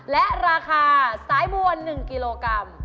และราคาสายบัว๑กิโลกรัม